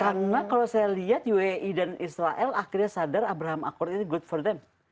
karena kalau saya lihat uae dan israel akhirnya sadar abraham accord ini good for them